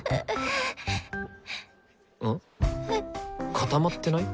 固まってない？